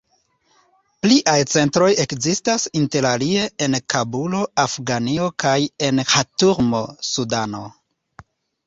Pliaj centroj ekzistas inter alie en Kabulo, Afganio kaj en Ĥartumo, Sudano.